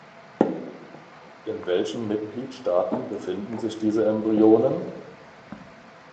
In welchen Mitgliedstaaten befinden sich diese Embryonen?